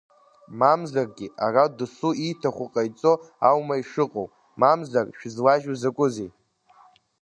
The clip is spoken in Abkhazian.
Мамзаргьы, ара досу ииҭаху ҟаиҵо аума ишыҟоу, мамзар шәызлажьу закәызеи?